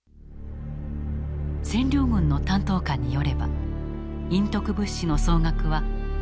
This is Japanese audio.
占領軍の担当官によれば隠匿物資の総額は数十億ドル。